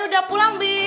udah pulang bi